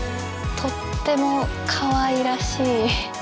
とってもかわいらしい。